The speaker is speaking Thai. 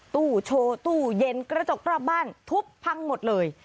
ตู้โชว์ตู้เย็นกระจกรอบบ้านทุบพังหมดเลย